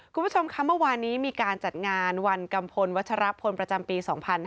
คุณผู้ชมค่ะเมื่อวานนี้มีการจัดงานวันกัมพลวัชรพลประจำปี๒๕๕๙